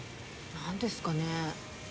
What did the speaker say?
何ですかね。